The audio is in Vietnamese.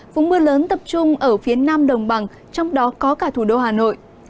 vùng mưa lớn tập trung ở phía nam đồng bằng trong đó có cả thủ đô hà nội